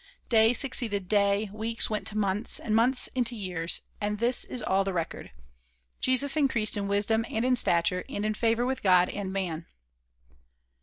Day succeeded day, weeks went to months, and months into years, and this is all the record: "Jesus increased in wisdom and in stature, and in favor with God and man."